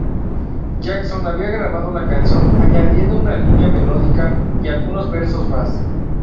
Jackson había grabado la canción, añadiendo una línea melódica y algunos versos más.